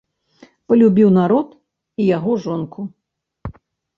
Палюбіў народ і яго жонку.